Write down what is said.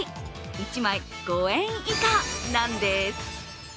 １枚５円以下なんです。